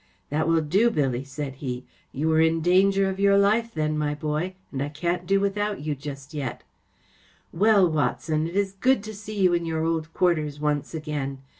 ‚ÄĚ That will do, Billy,‚ÄĚ said he. ‚ÄĚ You were in danger of your life then, my boy, and I can’t do without you just yet. Well, Watson, it is good to see you in your old quarters once again.